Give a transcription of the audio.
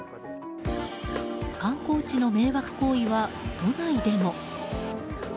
観光地の迷惑行為は都内でも。